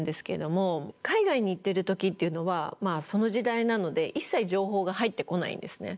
海外に行ってる時っていうのはまあその時代なので一切情報が入ってこないんですね。